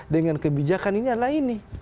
dengan kebijakan ini adalah ini